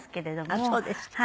あっそうですか。